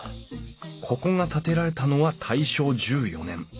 ここが建てられたのは大正１４年。